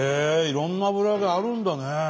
いろんな油揚げあるんだね。